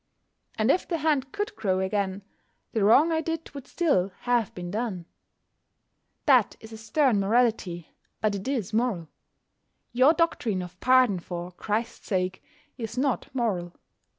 And if the hand could grow again, the wrong I did would still have been done. That is a stern morality, but it is moral. Your doctrine of pardon "for Christ's sake" is not moral.